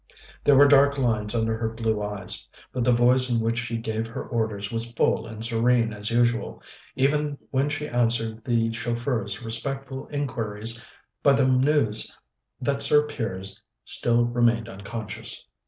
There were dark lines under her blue eyes, but the voice in which she gave her orders was full and serene as usual, even when she answered the chauffeur's respectful inquiries by the news that Sir Piers still remained unconscious.